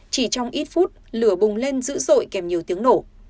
chỉ trong ít phút lửa bùng lên dữ dội kèm nhiều tiếng nổ